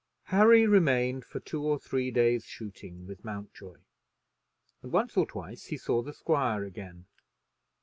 Harry remained for two or three days' shooting with Mountjoy, and once or twice he saw the squire again.